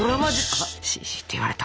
「シ！」って言われた。